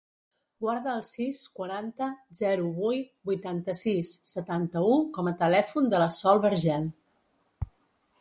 Guarda el sis, quaranta, zero, vuit, vuitanta-sis, setanta-u com a telèfon de la Sol Vergel.